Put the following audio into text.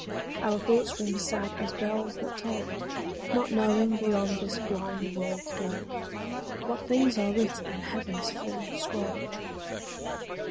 Our thoughts ring sad as bells that toll, Not knowing beyond this blind world's girth What things are writ in heaven's full scroll.